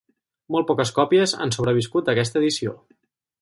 Molt poques còpies han sobreviscut d'aquesta edició.